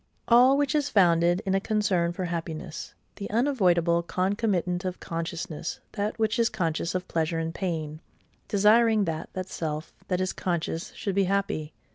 All which is founded in a concern for happiness, the unavoidable concomitant of consciousness; that which is conscious of pleasure and pain, desiring that that self that is conscious should be happy.